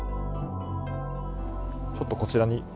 ちょっとこちらに。